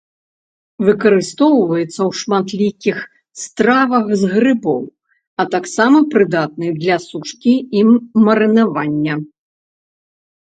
Выкарыстоўваецца ў шматлікіх стравах з грыбоў, а таксама прыдатны для сушкі і марынавання.